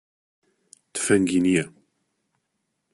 تفەنگی نییە.